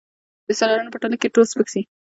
د سیالانو په ټولۍ کي یې تول سپک سي